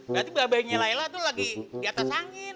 berarti babi babinya layla tuh lagi di atas angin